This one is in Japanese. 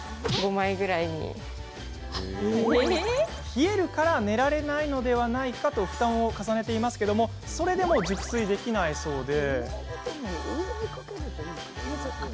冷えるから寝られないのではないかと布団を重ねていますがそれでも熟睡できないそうで。